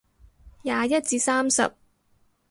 廿一至三十